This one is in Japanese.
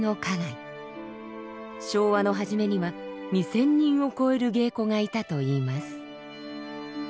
昭和の初めには２，０００人を超える芸妓がいたといいます。